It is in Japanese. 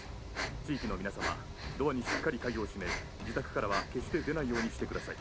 地域の皆様ドアにしっかり鍵を締め自宅からは決して出ないようにしてください。